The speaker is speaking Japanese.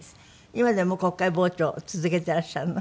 今でも国会傍聴を続けてらっしゃるの？